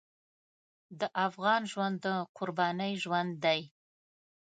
د افغان ژوند د قربانۍ ژوند دی.